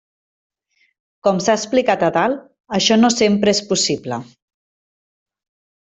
Com s'ha explicat a dalt, això no sempre és possible.